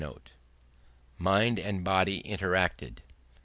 _Mind and body interacted.